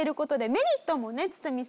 メリット？